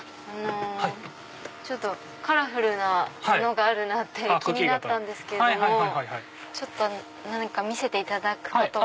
カラフルなものがあるなって気になったんですけれども何か見せていただくことは。